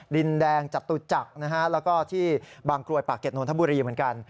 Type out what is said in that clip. ดินแดงจตุจักรนะฮะแล้วก็ที่บางกรวยปากเด็ดนทบุรีเหมือนกัน